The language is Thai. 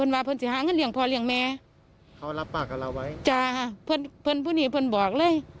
วันนี้จาก